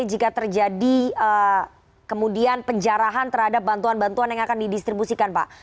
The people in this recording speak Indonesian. jika terjadi kemudian penjarahan terhadap bantuan bantuan yang akan didistribusikan pak